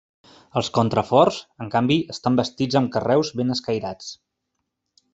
Els contraforts, en canvi, estan bastits amb carreus ben escairats.